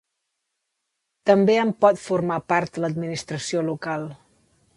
També en pot formar part l'administració local.